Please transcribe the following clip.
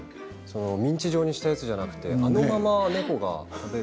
ミンチ状にしたやつじゃなくってあのまま猫が食べる。